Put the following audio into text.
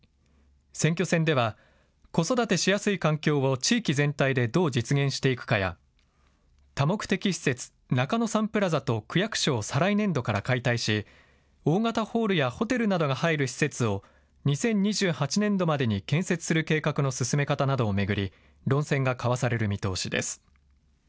選挙戦では子育てしやすい環境を地域全体でどう実現していくかや多目的施設、中野サンプラザと区役所を再来年度から解体し大型ホールやホテルなどが入る施設を２０２８年度までに建設する計画の進め方などを巡り論戦が交わされる見通しです。